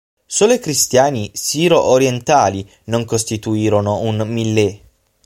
Solo i cristiani siro-orientali non costituirono un "millet".